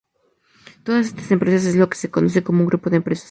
Todas estas empresas es lo que se conoce como un grupo de empresas.